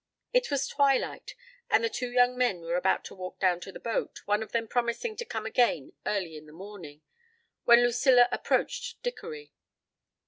It was twilight, and the two young men were about to walk down to the boat, one of them promising to come again early in the morning, when Lucilla approached Dickory.